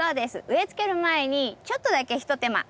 植えつける前にちょっとだけひと手間。